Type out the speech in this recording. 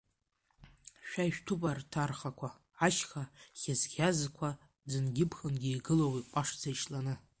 Шәа ишәтәуп арҭ архақәа, ашьха ӷьазӷьазқәа, ӡынгьы-ԥхынгьы игылоу иҟәашӡа ишланы.